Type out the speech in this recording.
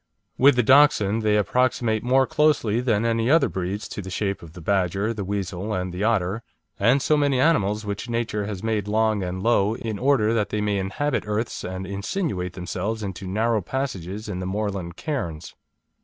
With the Dachshund they approximate more closely than any other breeds to the shape of the badger, the weasel, and the otter, and so many animals which Nature has made long and low in order that they may inhabit earths and insinuate themselves into narrow passages in the moorland cairns.